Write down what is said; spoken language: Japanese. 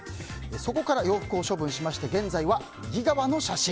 そこから洋服を処分しまして現在は右側の写真。